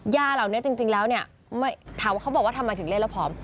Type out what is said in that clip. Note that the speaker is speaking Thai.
ยาเหล่านี้จริงแล้วเนี่ยถามว่าเขาบอกว่าทำไมถึงเล่นแล้วผอม